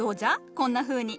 こんなふうに。